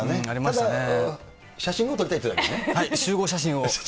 ただ写真も撮りたいってわけ集合写真を。